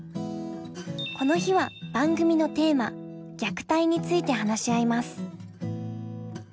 この日は番組のテーマ「虐待」について話し合います。